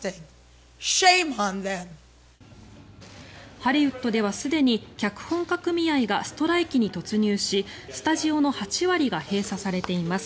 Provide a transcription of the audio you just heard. ハリウッドではすでに脚本家組合がストライキに突入しスタジオの８割が閉鎖されています。